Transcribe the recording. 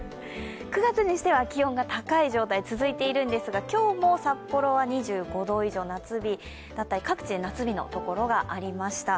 ９月にしては気温が高い状態が続いているんですけども、今日も札幌は２５度以上、夏日だったり各地で夏日の所がありました。